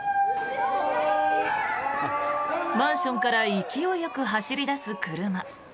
マンションから勢いよく走り出す車。